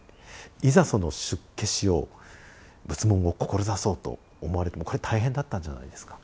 いざその出家しよう仏門を志そうと思われてもこれ大変だったんじゃないですか？